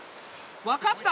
分かった！